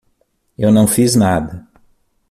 Eu não fiz nada.